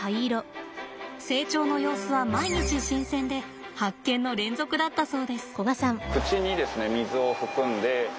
成長の様子は毎日新鮮で発見の連続だったそうです。